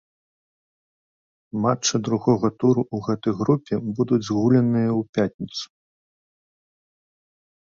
Матчы другога туру ў гэтай групе будуць згуляныя ў пятніцу.